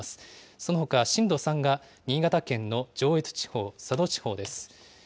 そのほか震度３が新潟県の上越地方、佐渡地方です。